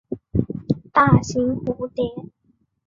大型蝴蝶。